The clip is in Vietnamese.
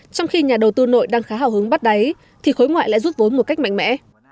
trong khi nhà đầu tư nội đang khá hào hứng bắt đáy thì khối ngoại lại rút vốn một cách mạnh mẽ